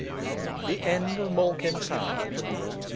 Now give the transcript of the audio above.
THE END OF MALKIN TOWER.